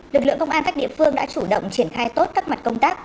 lực lượng công an các địa phương đã chủ động triển khai tốt các mặt công tác